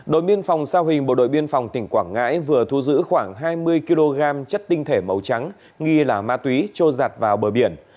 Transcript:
đội biên phòng sa huỳnh bộ đội biên phòng tỉnh quảng ngãi vừa thu giữ khoảng hai mươi kg chất tinh thể màu trắng nghi là ma túy trôi giặt vào bờ biển